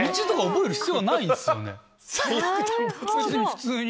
別に普通に。